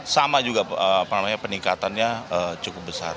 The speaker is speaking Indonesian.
sama juga peningkatannya cukup besar